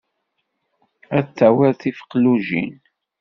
Ad d-tawiḍ tifeqlujin.